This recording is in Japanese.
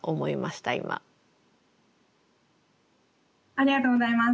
ありがとうございます。